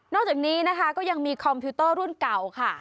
จากนี้นะคะก็ยังมีคอมพิวเตอร์รุ่นเก่าค่ะ